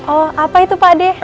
oh apa itu pak ade